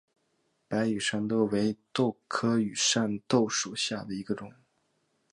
白羽扇豆为豆科羽扇豆属下的一个种。